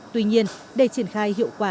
tuy nhiên để triển khai hiệu quả